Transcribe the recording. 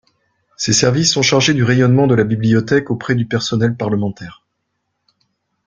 Ces services sont chargés du rayonnement de la Bibliothèque auprès du personnel parlementaire.